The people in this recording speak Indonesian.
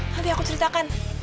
nanti aku ceritakan